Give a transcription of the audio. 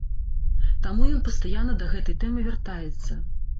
Таму ён пастаянна да гэтай тэмы вяртаецца.